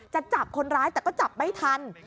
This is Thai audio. จะจับคนร้ายแต่ก็จับไม่ทัน